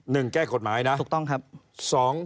หนึ่งแก้กฎหมายนะสุดต้องครับสุดต้องครับ